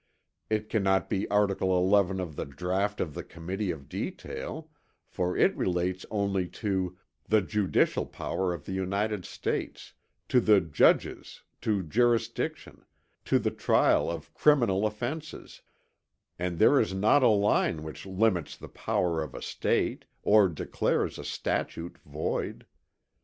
It cannot be article XI of the draught of the Committee of Detail for it relates only to "The judicial power of the United States"; to the judges, to jurisdiction; to the trial of criminal offences; and there is not a line which limits the power of a State or declares a statute void.